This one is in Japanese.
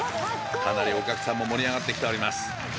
かなりお客さんも盛り上がってきております